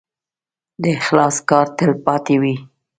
د اخلاص کار تل پاتې وي.